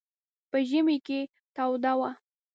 په ژمي کې توده وه.